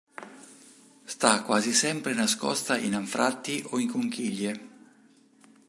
Sta quasi sempre nascosta in anfratti o in conchiglie.